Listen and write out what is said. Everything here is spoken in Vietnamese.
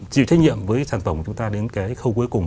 chịu trách nhiệm với sản phẩm của chúng ta đến cái khâu cuối cùng